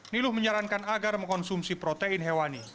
niluh menyarankan agar mengkonsumsi protein hewani